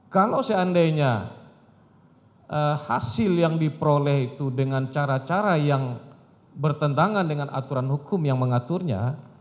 kalau seandainya hasil yang diperoleh itu dengan cara cara yang bertentangan dengan aturan hukum yang mengaturnya